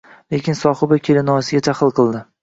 Lekin Sohiba kelinoyisiga jahl qildi